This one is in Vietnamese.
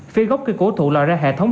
phía góc cây cổ thụ lò ra hệ thống